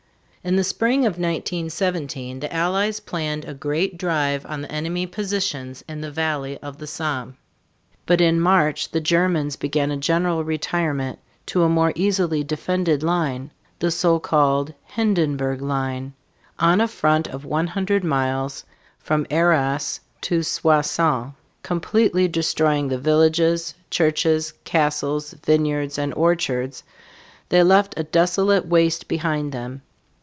In the spring of 1917 the Allies planned a great drive on the enemy positions in the valley of the Somme. But in March the Germans began a general retirement to a more easily defended line the so called Hindenburg line on a front of one hundred miles, from Arras (ar rahss´) to Soissons (swah sawn´). Completely destroying the villages, churches, castles, vineyards, and orchards, they left a desolate waste behind them.